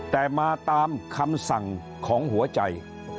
แต่มาตามคำสั่งของหัวใจ